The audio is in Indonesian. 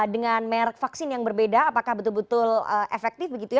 dengan merk vaksin yang berbeda apakah betul betul efektif begitu ya